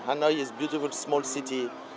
hà nội là một thành phố mơ mộng